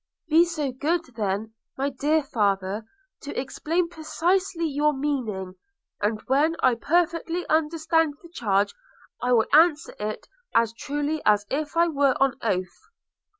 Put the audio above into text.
'Be so good then, my dear father, to explain precisely your meaning; and when I perfectly understand the charge, I will answer it as truly as if I were on oath.'